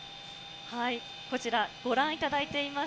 こちら、ご覧いただいています